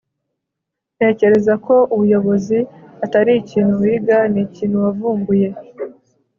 ntekereza ko ubuyobozi atari ikintu wiga; ni ikintu wavumbuye